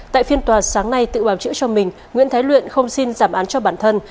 tại phiên tòa sáng nay tự bảo chữa cho mình nguyễn thái luyện không xin giảm án cho bản thân